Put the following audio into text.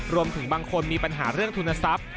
รวมถึงบางคนมีปัญหาเรื่องทุนทรัพย์